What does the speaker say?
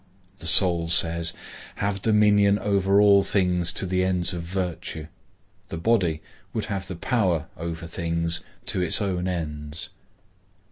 The soul says, 'Have dominion over all things to the ends of virtue;' the body would have the power over things to its own ends.